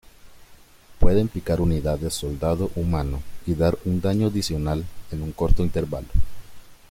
Pueden picar unidades soldado humano y dar un daño adicional en un corto intervalo.